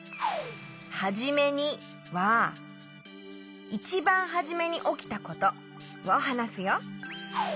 「はじめに」はいちばんはじめにおきたことをはなすよ。